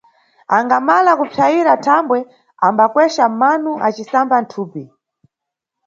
Angamala kupsayira thambwe, ambakweca mano acisamba thupi.